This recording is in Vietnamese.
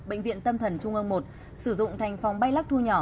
bệnh viện tâm thần trung ương một sử dụng thành phòng bay lắc thu nhỏ